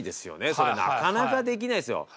それなかなかできないですよ。